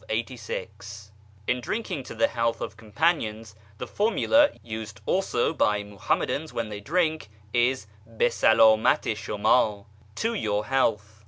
lu drinking to the health of companions the formula (used also by Muhammadans when they drink) is " JBi saldmati i shumd !"(" To your health